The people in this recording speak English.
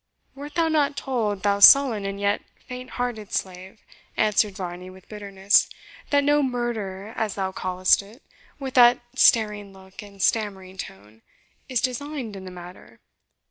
"Wert thou not told, thou sullen and yet faint hearted slave," answered Varney, with bitterness, "that no MURDER as thou callest it, with that staring look and stammering tone, is designed in the matter?